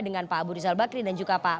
dengan pak abu rizal bakri dan juga pak